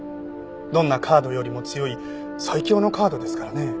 どんなカードよりも強い最強のカードですからね。